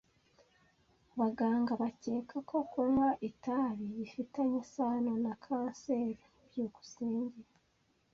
Abaganga bakeka ko kunywa itabi bifitanye isano na kanseri. byukusenge